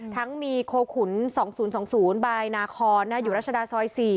ทั้งมีโคขุน๒๐๒๐บายนาคอนอยู่รัชดาซอย๔